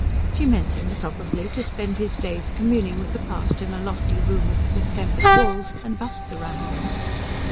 She meant him, probably, to spend his days communing with the past in a lofty room with distempered walls and busts round them.